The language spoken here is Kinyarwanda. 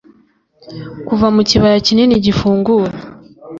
Kuva mu kibaya kinini gifungura